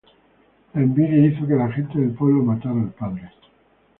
La envidia hizo que la gente del pueblo matara al padre.